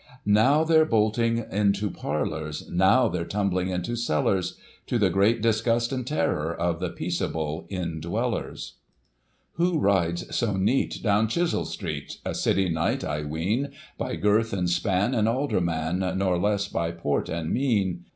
Now they're bolting into parlours, now they're tumbling into cellars, To the great disgust and terror of the peaceable indwellers. Digitized by Google 1846] SMITHFIELD. 305 Who rides so neat down Chiswell Street ? A City Knight, I ween ; By girth and span an alderman, nor less by port and mien.